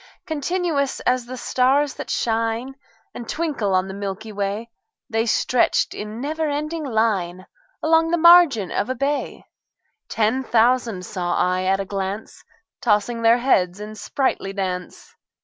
Continuous as the stars that shine And twinkle on the milky way, The stretched in never ending line Along the margin of a bay: Ten thousand saw I at a glance, Tossing their heads in sprightly dance.